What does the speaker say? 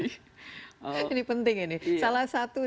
ini penting ini salah satu